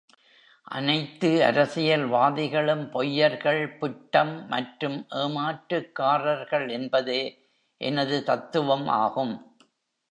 "அனைத்து அரசியல்வாதிகளும் பொய்யர்கள், பிட்டம் மற்றும் ஏமாற்றுக்காரர்கள்" என்பதே எனது தத்துவம் ஆகும்.